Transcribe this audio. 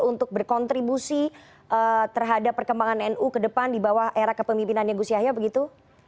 untuk berkontribusi terhadap perkembangan nu ke depan di bawah era kepemimpinannya gus yahya begitu